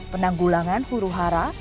penanggulangan huru hara